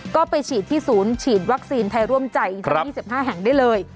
ก็ไปฉีดที่ศูนย์ฉีดวัคซีนไทยร่วมใจทั้ง๒๕แห่งได้เลย